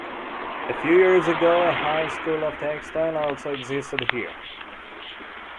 A few years ago, a high school of textile also existed here.